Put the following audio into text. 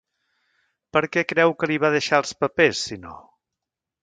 Per què creu que li va deixar els papers, si no?